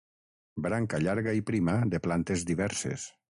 Branca llarga i prima de plantes diverses.